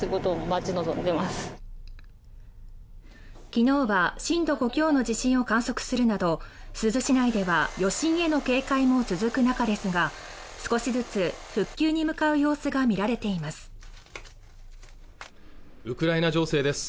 きのうは震度５強の地震を観測するなど珠洲市内では余震への警戒も続く中ですが少しずつ復旧に向かう様子が見られています